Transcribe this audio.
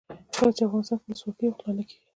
کله چې افغانستان کې ولسواکي وي غلا نه کیږي.